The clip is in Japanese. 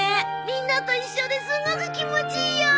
みんなと一緒ですごく気持ちいいよ！